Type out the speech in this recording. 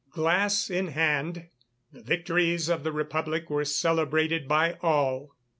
Glass in hand, the victories of the Republic were celebrated by all.